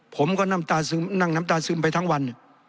ผมก็น้ำตาซึมนั่งน้ำตาซึมไปทั้งวัน